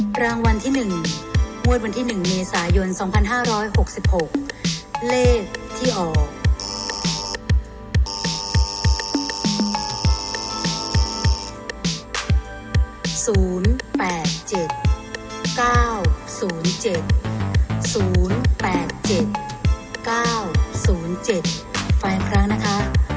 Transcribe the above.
ฟังอีกครั้งนะคะ